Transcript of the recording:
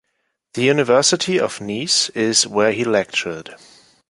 The University of Nice is where he lectured.